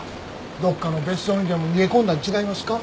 どこかの別荘にでも逃げ込んだん違いますか？